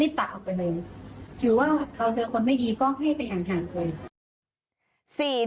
ถือว่าเราเจอคนไม่ดีก็ให้ไปห่างก่อน